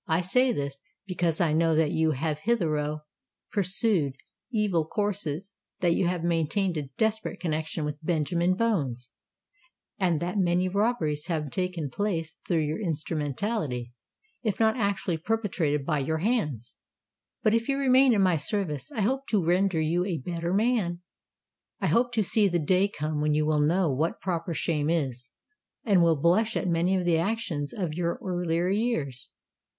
I say this, because I know that you have hitherto pursued evil courses—that you have maintained a desperate connexion with Benjamin Bones—and that many robberies have taken place through your instrumentality, if not actually perpetrated by your hands. But if you remain in my service, I hope to render you a better man—I hope to see the day come when you will know what proper shame is, and will blush at many of the actions of your earlier years.